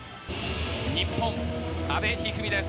日本、阿部一二三です。